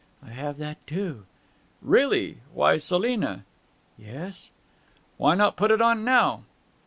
'I have that too.' 'Really! ... Why, Selina ' 'Yes!' 'Why not put it on now?'